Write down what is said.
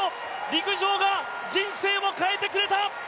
陸上が人生を変えてくれた！